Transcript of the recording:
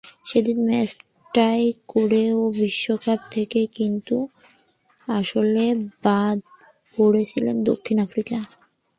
সেদিন match tie করেও বিশ্বকাপ থেকে কিন্তু আসলেই বাদ পড়েছিল দক্ষিণ আফ্রিকা।